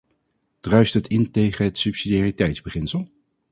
Druist het in tegen het subsidiariteitsbeginsel?